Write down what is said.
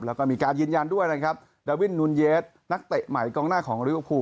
แล้วก็มีการยืนยันด้วยนะครับดาวินนุนเยสนักเตะใหม่กองหน้าของลิเวอร์พูล